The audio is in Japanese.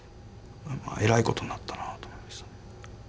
えらいことになったなと思いました。